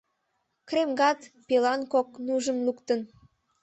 Кремгат пелан кок нужым луктым.